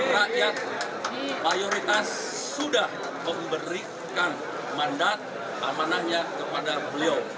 rakyat mayoritas sudah memberikan mandat amanahnya kepada beliau